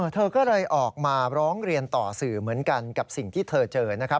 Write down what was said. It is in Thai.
เธอก็เลยออกมาร้องเรียนต่อสื่อเหมือนกันกับสิ่งที่เธอเจอนะครับ